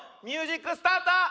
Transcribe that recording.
ミュージックスタート！